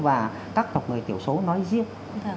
và các tộc người thiểu số nói riêng